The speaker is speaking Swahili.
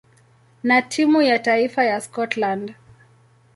na timu ya taifa ya Scotland.